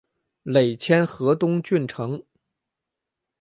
累迁河东郡丞。